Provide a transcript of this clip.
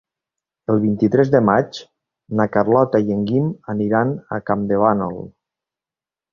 El vint-i-tres de maig na Carlota i en Guim aniran a Campdevànol.